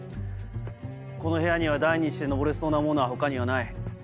この部屋には台にして上れそうなものは他にはない。